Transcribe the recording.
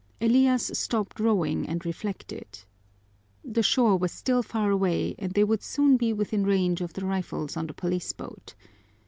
Elias stopped rowing and reflected. The shore was still far away and they would soon be within range of the rifles on the police boat.